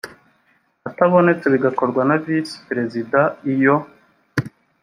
atabonetse bigakorwa na visi perezida iyo